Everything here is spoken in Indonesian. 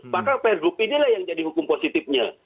maka pergub ini lah yang jadi hukum positifnya